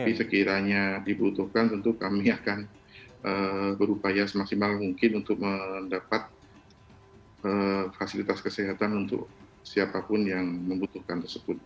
tapi sekiranya dibutuhkan tentu kami akan berupaya semaksimal mungkin untuk mendapat fasilitas kesehatan untuk siapapun yang membutuhkan tersebut